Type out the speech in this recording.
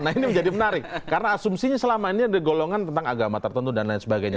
nah ini menjadi menarik karena asumsinya selama ini ada golongan tentang agama tertentu dan lain sebagainya